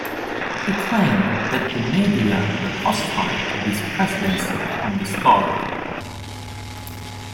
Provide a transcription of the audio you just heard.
He claimed that the media were hostile to his presidency from the start.